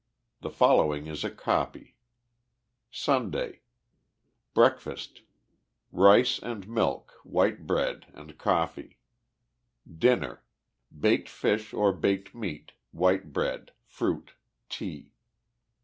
The following is a copy : SUNDAY. Breakfast. — Rice and milk, white bread and coffee. Dinner. — Baked fish or baked meat, white bread, fruit, tea.